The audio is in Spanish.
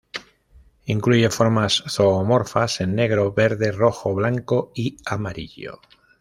Incluye formas zoomorfas en negro, verde, rojo, blanco y amarillo.